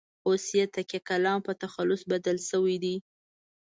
اوس یې تکیه کلام په تخلص بدل شوی دی.